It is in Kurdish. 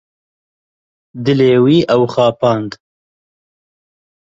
Dilê wî, wî xapand.